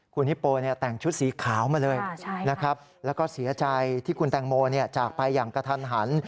คุณฮิปโปแต่งชุดสีขาวมาเลยนะครับแล้วก็เสียใจที่คุณแตงโมจากไปอย่างกระทันหัน